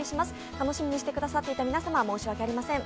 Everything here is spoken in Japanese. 楽しみにしてくださっていた皆様、申し訳ありません。